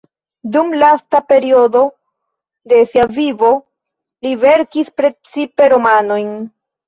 Dum lasta periodo de sia vivo li verkis precipe romanojn.